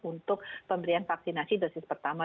untuk pemberian vaksinasi dosis pertama